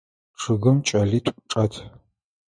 Чъыгым кӏэлитӏу чӏэт.